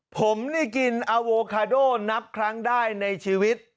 ผมนี่กินอโวคาโดนับครั้งได้ในชีวิต